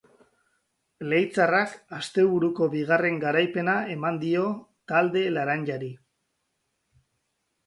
Leitzarrak asteburuko bigarren garaipena eman dio talde laranjari.